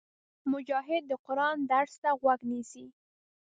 مجاهد د قرآن درس ته غوږ نیسي.